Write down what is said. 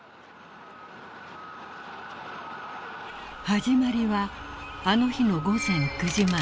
［始まりはあの日の午前９時前］